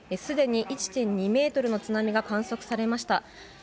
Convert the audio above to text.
すでに１．２ｍの津波が観測されました。